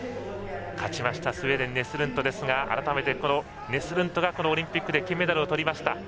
勝ちましたスウェーデン、ネスルントですが改めて、ネスルントがオリンピックで金メダルをとりました。